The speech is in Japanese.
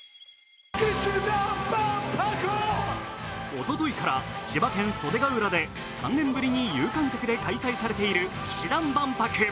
おとといから千葉県袖ケ浦で３年ぶりに有観客で開催されている氣志團万博。